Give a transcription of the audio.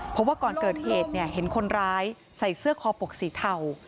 เพราะว่าก่อนเกิดเหตุเห็นคนร้ายใส่เสื้อคอปกสีเทา